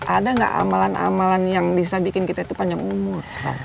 ada tidak amalan amalan yang bisa membuat kita panjang umur